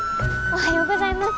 おはようございます。